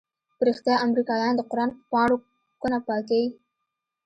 په رښتيا امريکايان د قران په پاڼو كونه پاكيي؟